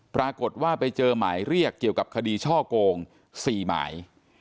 ปรากฏว่าไปเจอหมายเรียกเกี่ยวกับคดีช่อโกง๔หมาย